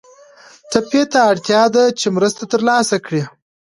ټپي ته اړتیا ده چې مرسته تر لاسه کړي.